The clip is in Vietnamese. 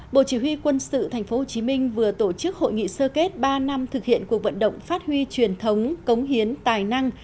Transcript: bộ chỉ huy quân sự tp hcm vừa tổ chức hội nghị sơ kết ba năm thực hiện cuộc vận động phát huy truyền thống cống hiến tài năng